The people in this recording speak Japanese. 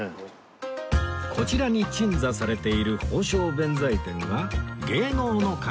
こちらに鎮座されている寶生辨財天は芸能の神様